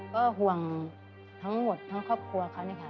ก็ห่วงทั้งหมดทั้งครอบครัวเขาเนี่ยค่ะ